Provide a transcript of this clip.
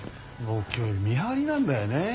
僕今日見張りなんだよね。